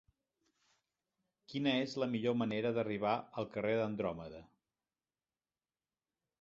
Quina és la millor manera d'arribar al carrer d'Andròmeda?